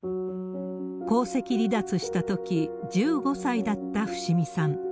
皇籍離脱したとき１５歳だった伏見さん。